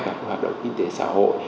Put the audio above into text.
các hoạt động kinh tế xã hội